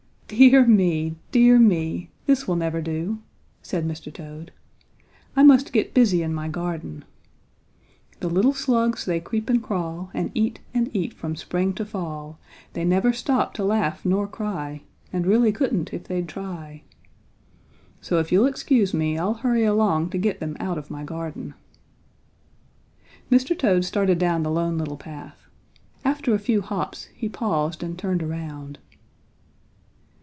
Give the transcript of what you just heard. "Dear me, dear me, this will never do!" said Mr. Toad. "I must get busy in my garden. "The little slugs, they creep and crawl And eat and eat from spring to fall They never stop to laugh nor cry, And really couldn't if they'd try. So if you'll excuse me I'll hurry along to get them out of my garden." Mr. Toad started down the Lone Little Path. After a few hops he paused and turned around.